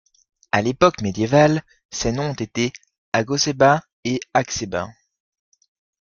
À l'époque médiévale, ses noms ont été Agoseba et Axeba.